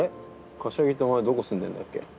柏木ってお前どこ住んでんだっけ？